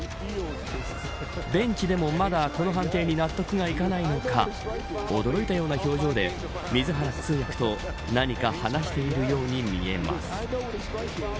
ベンチでもまだこの判定に納得がいかないのか驚いたような表情で水原通訳と何か話しているように見えます。